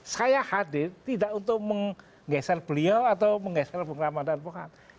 saya hadir tidak untuk menggeser beliau atau menggeser bung khamada dan pokoknya